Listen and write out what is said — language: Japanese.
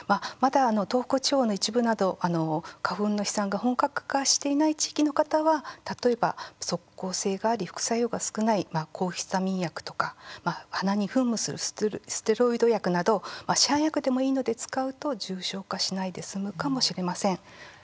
まだ東北地方の一部など花粉の飛散が本格化していない地域の方は、例えば即効性があり副作用が少ない抗ヒスタミン薬とか鼻に噴霧するステロイド薬など市販薬でもいいので、使うと重症化しないで済むかもしれません。